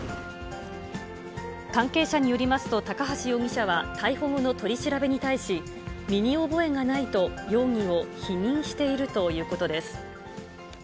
関係者によりますと、高橋容疑者は、逮捕後の取り調べに対し、身に覚えがないと容疑を否認しているということです。